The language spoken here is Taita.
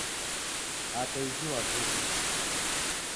Hata iji Wavika